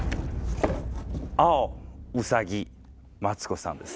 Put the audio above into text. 青うさぎマツコさんです。